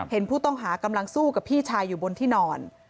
เห็นผู้ต้องหากำลังสู้กับพี่ชายอยู่บนที่นอน